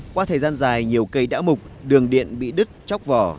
qua thời gian dài nhiều cây đã mục đường điện bị đứt chóc vỏ